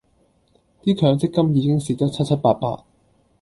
啲強積金已經蝕得七七八八